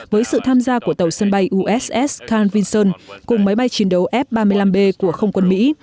với sự tham gia của tàu sân bay uss can vinson cùng máy bay chiến đấu f ba mươi năm b của không quân mỹ